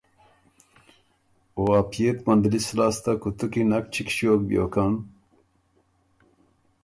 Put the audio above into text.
او ا پئے ت مندلِس لاسته کُوتُو کی نک چِګ ݭیوک بیوکن۔